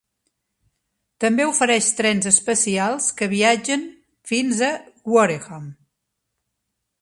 També ofereix trens especials que viatgen fins a Wareham.